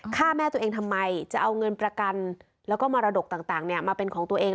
ฆ่าแม่ตัวเองทำไมจะเอาเงินประกันแล้วก็มรดกต่างมาเป็นของตัวเอง